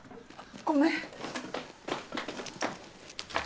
ごめん。